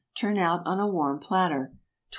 Turn out on a warm platter. 12.